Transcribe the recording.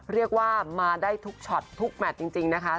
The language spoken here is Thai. เรียกว่ามาได้ทุกช็อตทุกแมทจริงนะคะ